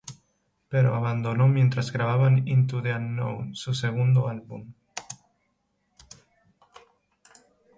Pero abandonó mientras grababan Into the Unknown, su segundo álbum.